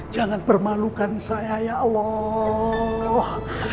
jangan bermalukan saya ya allah